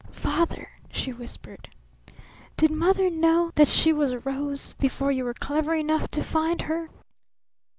"Father," she whispered, "did Mother know that she was a rose before you were clever enough to find her?"